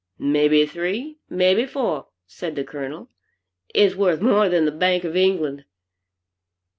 "May be three, may be four," said the Colonel, "it's worth more than the bank of England."